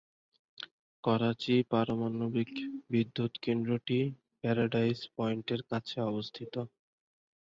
করাচি পারমাণবিক বিদ্যুৎ কেন্দ্রটি প্যারাডাইস পয়েন্টের কাছে অবস্থিত।